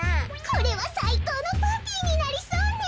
これはさいこうのパーティーになりそうね。